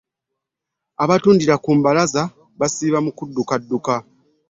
abatundira ku mbalaza basiiba mu ddukadduka.